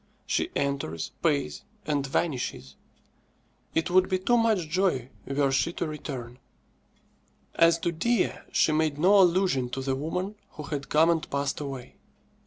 She enters, pays, and vanishes. It would be too much joy were she to return. As to Dea, she made no allusion to the woman who had come and passed away.